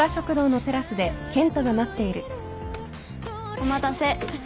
お待たせ。